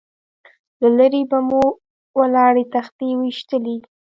له لرې به مو ولاړې تختې ويشتلې.